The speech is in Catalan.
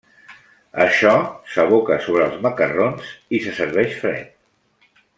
Això s’aboca sobre els macarrons i se serveix fred.